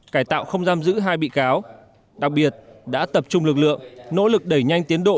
cải tạo không giam giữ hai bị cáo đặc biệt đã tập trung lực lượng nỗ lực đẩy nhanh tiến độ